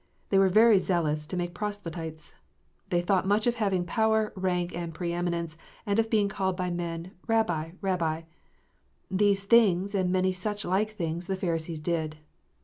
They were very zealous to make proselytes. They thought much of having power, rank, and pre eminence, and of being called by men, " Rabbi, Kabbi." These things, and many such like things, the Pharisees did.